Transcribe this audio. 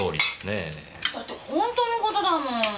だって本当のことだもん。